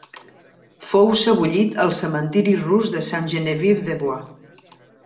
Fou sebollit al Cementiri rus de Sainte-Geneviève-des-Bois.